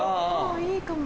いいかも。